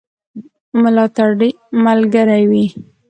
ملاتړ ملګری وي.